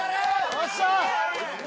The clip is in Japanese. よっしゃ！